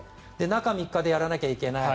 中３日でやらなきゃいけない。